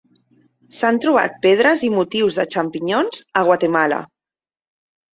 S'han trobat pedres i motius de xampinyons a Guatemala.